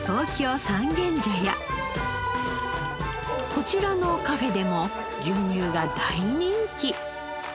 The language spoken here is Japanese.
こちらのカフェでも牛乳が大人気。